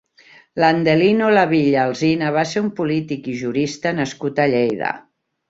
Landelino Lavilla Alsina va ser un polític i jurista nascut a Lleida.